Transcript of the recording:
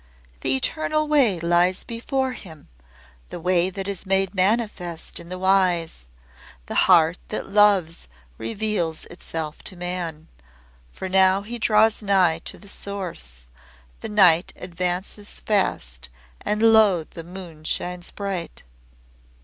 "The Eternal way lies before him, The way that is made manifest in the Wise. The Heart that loves reveals itself to man. For now he draws nigh to the Source. The night advances fast, And lo! the moon shines bright."